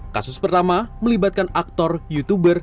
kasus pertama melibatkan aktor youtuber